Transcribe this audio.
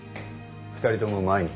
二人とも前に